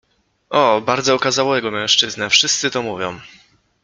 — O… bardzo okazałego mężczyznę, wszyscy to mówią.